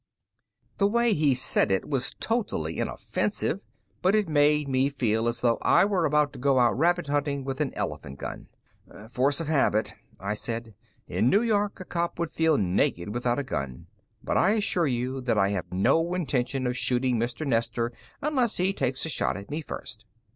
The way he said it was totally inoffensive, but it made me feel as though I were about to go out rabbit hunting with an elephant gun. "Force of habit," I said. "In New York, a cop would feel naked without a gun. But I assure you that I have no intention of shooting Mr. Nestor unless he takes a shot at me first."